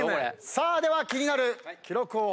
さあでは気になる記録を発表しましょう。